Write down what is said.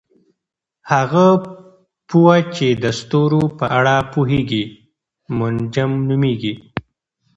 هغه پوه چې د ستورو په اړه پوهیږي منجم نومیږي.